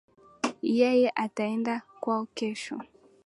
Yeye ataenda kwao kesho